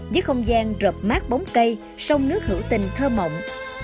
với không gian rợp mát bóng cây sông nước hữu tình thơ mộng